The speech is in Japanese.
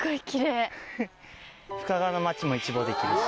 深川の街も一望できるし。